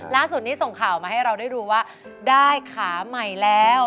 ล่าสุดนี้ส่งข่าวมาให้เราได้ดูว่าได้ขาใหม่แล้ว